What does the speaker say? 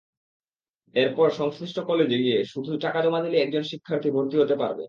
এরপর সংশ্লিষ্ট কলেজে গিয়ে শুধু টাকা জমা দিলেই একজন শিক্ষার্থী ভর্তি হতে পারবে।